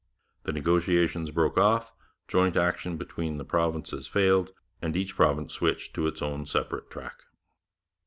The negotiations broke off, joint action between the provinces failed, and each province switched to its own separate track.